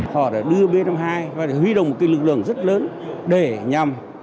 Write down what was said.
họ đã đưa b năm mươi hai và huy động một lực lượng rất lớn để nhằm